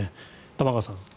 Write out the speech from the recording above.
玉川さん。